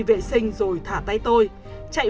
vệ sinh rồi thả tay tôi chạy